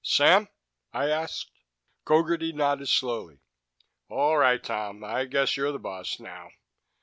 "Sam?" I asked. Gogarty nodded slowly. "All right, Tom. I guess you're the boss now.